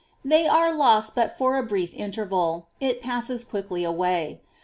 They are lost but for a brief interval ; it passes quickly away.